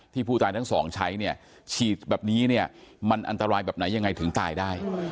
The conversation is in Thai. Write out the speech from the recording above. ผู้ตายทั้งสองใช้เนี่ยฉีดแบบนี้เนี่ยมันอันตรายแบบไหนยังไงถึงตายได้